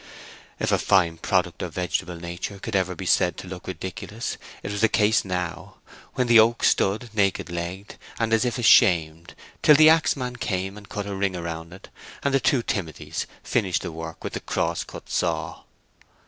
If a fine product of vegetable nature could ever be said to look ridiculous it was the case now, when the oak stood naked legged, and as if ashamed, till the axe man came and cut a ring round it, and the two Timothys finished the work with the crosscut saw.